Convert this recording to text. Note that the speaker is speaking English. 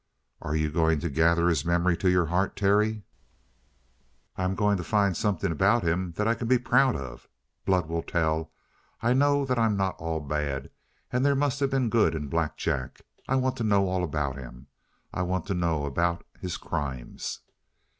"Are you going to gather his memory to your heart, Terry?" "I am going to find something about him that I can be proud of. Blood will tell. I know that I'm not all bad, and there must have been good in Black Jack. I want to know all about him. I want to know about his crimes."